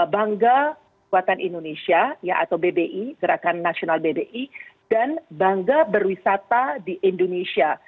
bangga buatan indonesia atau bbi gerakan nasional bbi dan bangga berwisata di indonesia